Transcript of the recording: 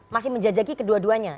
masih menjajaki ke dua duanya